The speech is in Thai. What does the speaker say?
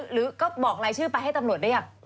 หรือก็บอกรายชื่อไปให้ตำรวจหรือยัง